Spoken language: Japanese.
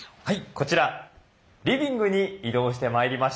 こちらリビングに移動してまいりました。